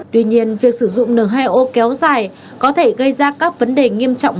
tuy nhiên việc sử dụng n hai o kéo dài có thể gây ra các vấn đề nghiêm trọng